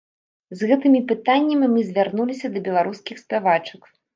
З гэтымі пытаннямі мы звярнуліся да беларускіх спявачак.